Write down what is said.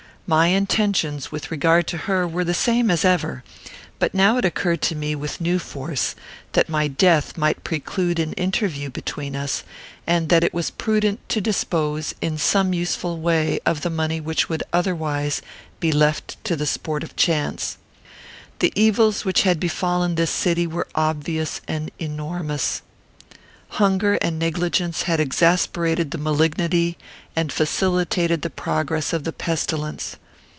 My intentions, with regard to her, were the same as ever; but now it occurred to me, with new force, that my death might preclude an interview between us, and that it was prudent to dispose, in some useful way, of the money which would otherwise be left to the sport of chance. The evils which had befallen this city were obvious and enormous. Hunger and negligence had exasperated the malignity and facilitated the progress of the pestilence.